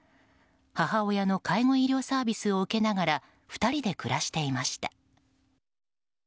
母親の介護医療サービスを受けながら２人で暮らしていました。